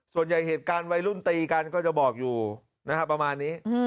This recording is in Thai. เหตุการณ์วัยรุ่นตีกันก็จะบอกอยู่นะครับประมาณนี้